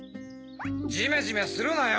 ジメジメするなよ！